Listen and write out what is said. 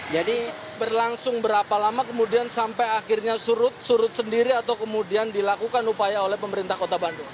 jadi berlangsung berapa lama kemudian sampai akhirnya surut surut sendiri atau kemudian dilakukan upaya oleh pemerintah kota bandung